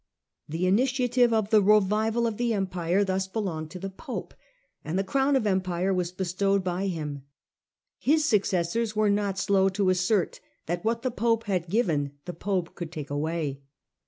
The initiative of the revival of the Empire thus belonged to the Pope, and the crown of Empire was bestowed by him. His successors were not slow to assert that what the Pope had given the Pope could take away.